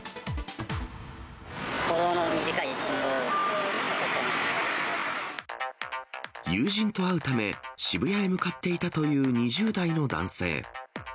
歩道の短い信号を渡っちゃい友人と会うため、渋谷へ向かっていたという２０代の男性。